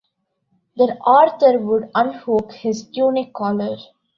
Then Arthur would unhook his tunic collar.